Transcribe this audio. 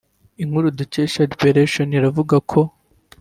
Inkuru dukesha liberation iravuga ko